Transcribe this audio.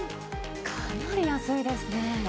かなり安いですね。